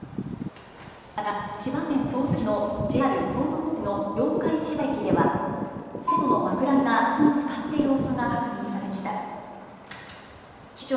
また千葉県匝瑳市のＪＲ総武本線の八日市場駅では線路の枕木が水につかっている様子が確認されました。